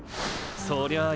そりゃあ